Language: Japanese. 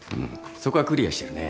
そこはクリアしてるね。